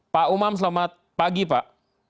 pak umam selamat pagi pak